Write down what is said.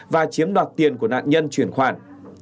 và chiếm đoạt tiền của nạn nhân chuyển khoản